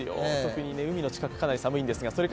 特に海の近く、かなり寒いんですが。